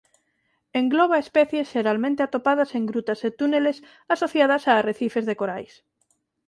Engloba especies xeralmente atopadas en grutas e túneles asociadas a arrecifes de corais.